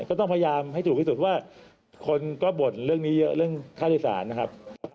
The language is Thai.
ก็ต้องพยายามให้ถูกที่สุดว่าคนก็บ่นเรื่องนี้เยอะเรื่องค่าโดยสารนะครับ